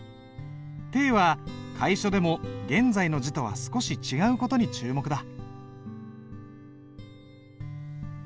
「定」は楷書でも現在の字とは少し違う事に注目だ。